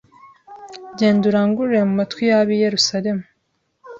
Genda urangururire mu matwi y’ab’i Yerusalemu